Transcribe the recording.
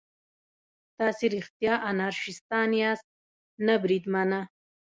تاسې رښتیا انارشیستان یاست؟ نه بریدمنه.